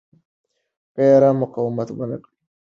که ایرانیان مقاومت ونه کړي، نو ښار به ژر نیول شي.